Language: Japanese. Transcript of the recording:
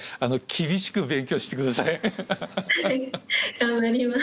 はい頑張ります。